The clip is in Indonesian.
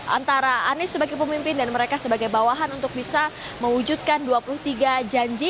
antara anies sebagai pemimpin dan mereka sebagai bawahan untuk bisa mewujudkan dua puluh tiga janji